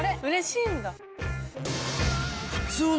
うれしいんだ。